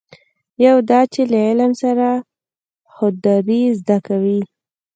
یو دا چې له علم سره خودداري زده کوي.